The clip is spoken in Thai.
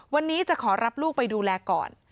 วันนี้จะขอรับลูกไปดูแลก่อน